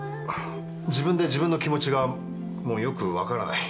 自分で自分の気持ちがもうよく分からない。